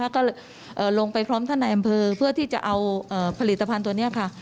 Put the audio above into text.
ก็ลงไปพร้อมท่านในอำเภอเพื่อที่จะเอาผลิตภัณฑ์ตัวนี้ค่ะ